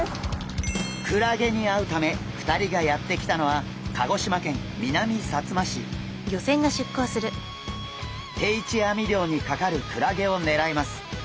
クラゲに会うため２人がやって来たのは定置網漁にかかるクラゲをねらいます。